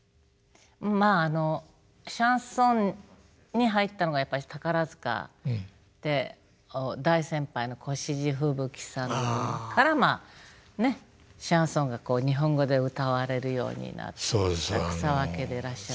まあシャンソンに入ったのが宝塚で大先輩の越路吹雪さんからシャンソンが日本語で歌われるように草分けでいらっしゃって。